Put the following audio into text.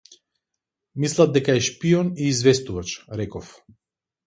Мислат дека е шпион и известувач, реков.